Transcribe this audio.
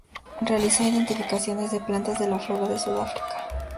Realizó identificaciones de plantas de la flora de Sudáfrica.